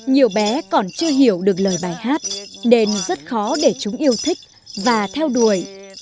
nhiều bé còn chưa hiểu được lời bài hát nên rất khó để chúng yêu thích và theo đuổi